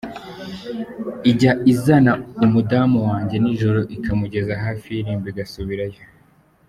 ijya izana umudamu wanjye nijoro ikamugeza hafi y’irembo igasubirayo.